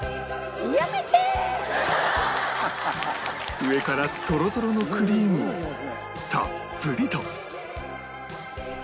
上からトロトロのクリームをたっぷりと